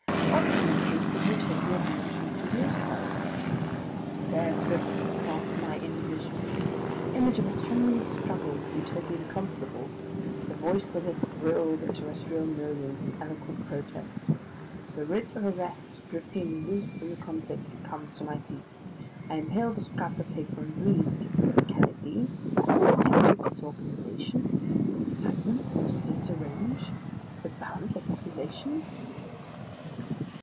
What, for instance, will Utopia do with Mr. Roosevelt? There drifts across my inner vision the image of a strenuous struggle with Utopian constables, the voice that has thrilled terrestrial millions in eloquent protest. The writ of arrest, drifting loose in the conflict, comes to my feet; I impale the scrap of paper, and read but can it be? "attempted disorganisation? ... incitements to disarrange? ... the balance of population?"